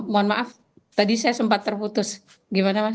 mohon maaf tadi saya sempat terputus gimana mas